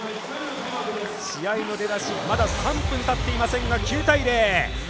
試合の出だしまだ３分たっていませんが９対０。